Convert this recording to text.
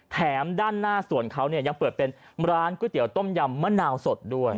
ด้านหน้าสวนเขาเนี่ยยังเปิดเป็นร้านก๋วยเตี๋ยต้มยำมะนาวสดด้วย